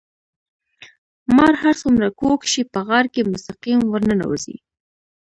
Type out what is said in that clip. مار هر څومره کوږ شي په غار کې مستقيم ورننوزي.